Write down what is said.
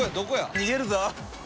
逃げるぞ。